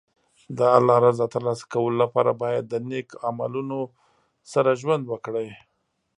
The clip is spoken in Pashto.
د الله رضا ترلاسه کولو لپاره باید د نېک عملونو سره ژوند وکړي.